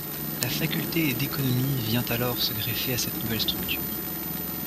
La faculté d'économie vient alors se greffer à cette nouvelle structure.